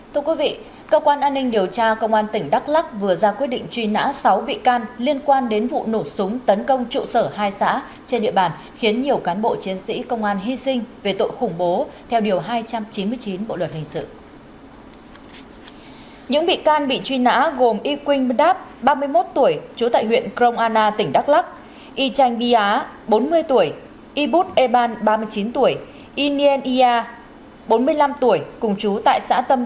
thưa quý vị cơ quan an ninh điều tra công an tỉnh đắk lắc vừa ra quyết định truy nã sáu bị can liên quan đến vụ nổ súng tấn công trụ sở hai xã trên địa bàn khiến nhiều cán bộ chiến sĩ công an hy sinh về tội khủng bố theo điều hai trăm chín mươi chín bộ luật hình sự